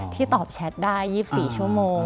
ตอบแชทได้๒๔ชั่วโมง